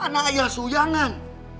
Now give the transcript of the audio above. kau ini anak ayah suyangan